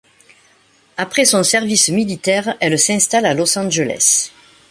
Après son service militaire, elle s'installe à Los Angeles.